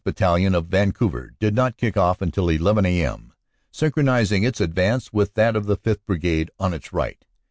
Battalion, of Vancouver, did not kick off until 11 a.m., synchronizing its advance with that of the Sth. Brigade on its right.